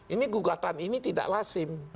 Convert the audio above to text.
ini gugatan ini tidak lasim